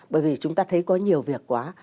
bởi vì chúng ta thấy có nhiều việc quá